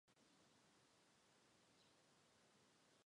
白刺科是无患子目之下一个被子植物的科。